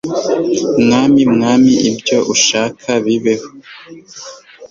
mwami mwami, ibyo ushaka bibeho